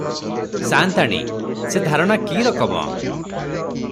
ସା’ନ୍ତାଣୀ – ସେ ଧାରଣା କି’ ରକମ?